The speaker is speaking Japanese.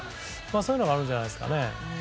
そういうのがあるんじゃないですかね。